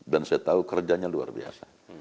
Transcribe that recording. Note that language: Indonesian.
dan saya tahu kerjanya luar biasa